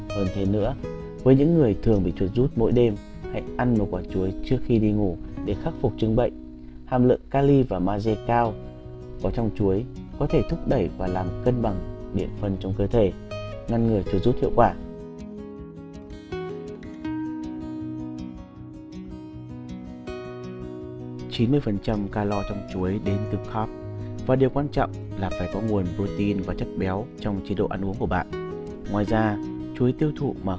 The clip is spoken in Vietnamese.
hơn thế nữa với những người thường bị chuột rút mỗi đêm hãy ăn một quả chuối trước khi đi ngủ để khắc phục chứng bệnh hàm lượng cali và maze cao có trong chuối có thể thúc đẩy và làm cân bằng điện phân trong cơ thể ngăn ngừa chuột rút hiệu quả